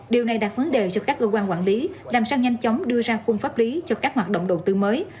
điều này đặt vấn đề cho các cơ quan quản lý làm sao nhanh chóng đưa ra khung pháp lý cho các hoạt động đầu tư mới